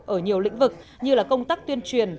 ở nhiều lĩnh vực như công tác tuyên truyền